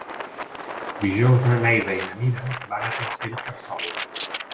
Dijous na Neida i na Mira van a Castellterçol.